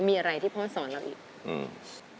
มีอะไรที่พ่อสอนเราอีกอืม